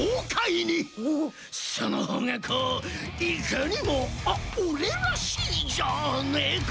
そのほうがこういかにもあっオレらしいじゃねえか？